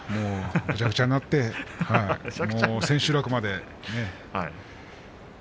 めちゃくちゃになって千秋楽まで。